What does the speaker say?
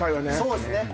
そうですね